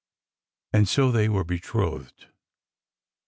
And so they were betrothed.